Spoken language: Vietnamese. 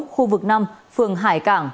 khu vực năm phường hải cảng